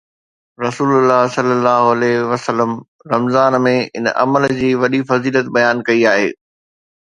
رسول الله صلي الله عليه وسلم رمضان ۾ ان عمل جي وڏي فضيلت بيان ڪئي آهي